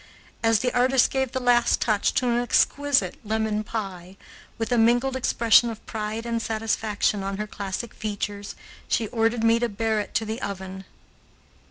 As the artist gave the last touch to an exquisite lemon pie, with a mingled expression of pride and satisfaction on her classic features, she ordered me to bear it to the oven.